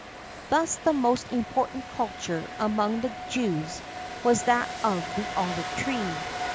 [XII 16] Thus the most important culture among the Jews was that of the olive tree.